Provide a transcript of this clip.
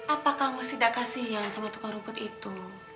apakah kamu tidak kasihan sama tukang rumput itu